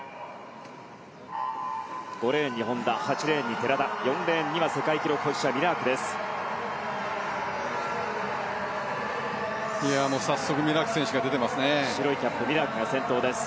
５レーンに本多８レーンに寺田４レーンには世界記録保持者ミラークです。